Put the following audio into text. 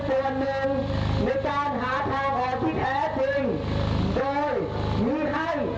ตามระเบิดประชาที่ตะไปให้ดีงาม